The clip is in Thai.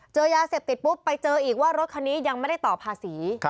เจอยาเสพติดปุ๊บไปเจออีกว่ารถคันนี้ยังไม่ได้ต่อภาษี